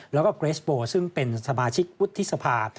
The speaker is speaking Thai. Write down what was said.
แล้วก็เกรสโบซึ่งเป็นสมาชิกวุฒิสภา